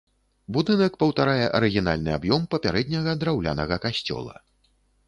Будынак паўтарае арыгінальны аб'ём папярэдняга драўлянага касцёла.